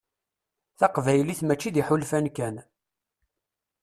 Taqbaylit mačči d iḥulfan kan.